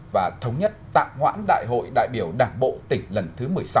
và thống nhất tạm hoãn đại hội đại biểu đảng bộ tỉnh lần thứ một mươi sáu